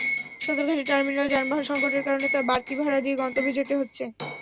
সদরঘাট টার্মিনালে যানবাহন সংকটের কারণে বাড়তি ভাড়া দিয়ে গন্তব্যে যেতে হচ্ছে।